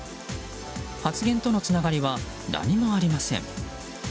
発言とのつながりは何もありません。